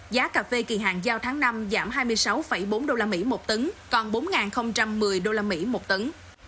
giá cà phê kỳ hạn giao tháng năm giảm hai mươi sáu bốn đô la mỹ một tấn còn bốn một mươi đô la mỹ một tấn